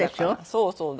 そうそう。